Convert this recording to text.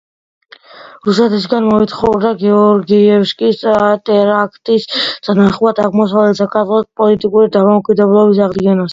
რუსეთისგან მოითხოვდა გეორგიევსკის ტრაქტატის თანახმად აღმოსავლეთ საქართველოს პოლიტიკური დამოუკიდებლობის აღდგენას.